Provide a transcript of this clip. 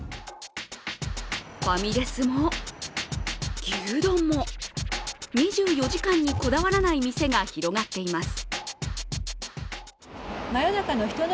ファミレスも、牛丼も２４時間にこだわらない店が広がっています。